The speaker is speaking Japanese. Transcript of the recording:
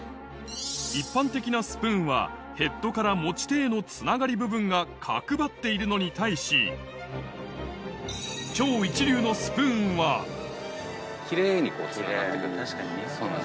一般的なスプーンはヘッドから持ち手へのつながり部分が角張っているのに対し超一流のスプーンはキレイにつながって行く。